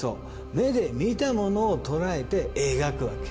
目で見たものをとらえて描くわけ。